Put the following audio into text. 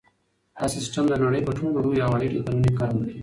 دا سیسټم د نړۍ په ټولو لویو هوایي ډګرونو کې کارول کیږي.